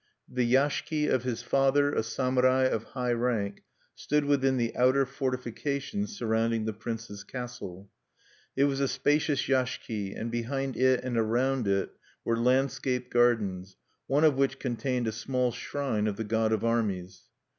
The yashiki of his father, a samurai of high rank, stood within the outer fortifications surrounding the prince's castle. It was a spacious yashiki; and behind it and around it were landscape gardens, one of which contained a small shrine of the god of armies.